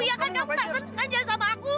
kamu gak seneng kan jalan sama aku